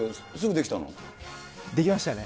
できましたね。